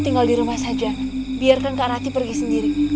terima kasih pak man